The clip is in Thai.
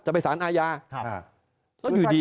จะไปสารอาญาแล้วอยู่ดี